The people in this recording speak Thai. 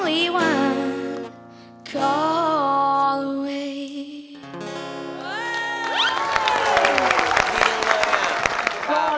ที่พอจับกีต้าร์ปุ๊บ